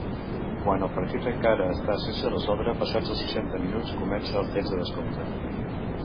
Quan el partit encara està sense resoldre passats els seixanta minuts, comença el temps de descompte.